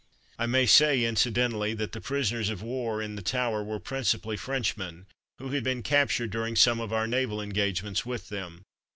I may say, incidentally, that the prisoners of war in the Tower were principally Frenchmen, who had been captured during some of our naval engagements with them.